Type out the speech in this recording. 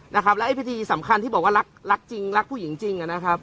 แล้วพิธีสำคัญที่บอกว่ารักจริงรักผู้หญิงจริง